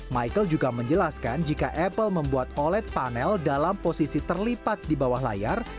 michael juga menjelaskan jika apple membuat oled panel dalam posisi terlipat di bawah layar